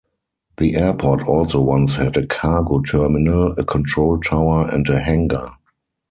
The airport also once had a cargo terminal, a control tower and a hangar.